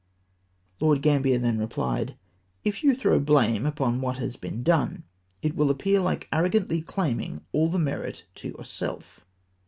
Lord Gambler then rephed, " If you throw blame upon what has been done^ it will afpear like arrogantly claiming all the merit to yourself.'"